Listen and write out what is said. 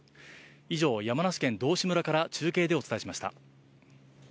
以上、山梨県道志村から中継でお伝えしました。